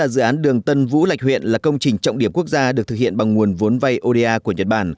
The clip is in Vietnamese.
dự án đường tân vũ lạch huyện là công trình trọng điểm quốc gia được thực hiện bằng nguồn vốn vay oda của nhật bản